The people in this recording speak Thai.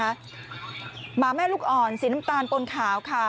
หมาแม่ลูกอ่อนสีน้ำตาลปนขาวค่ะ